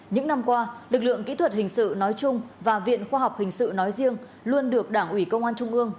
những năm qua lực lượng kỹ thuật hình sự nói chung và viện khoa học hình sự nói riêng luôn được đảng ủy công an trung ương